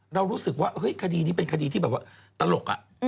เรารู้สึกว่าเฮ้ยคดีนี้เป็นคดีที่แบบว่าตลก